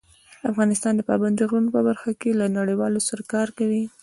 افغانستان د پابندي غرونو په برخه کې له نړیوالو سره کار کوي.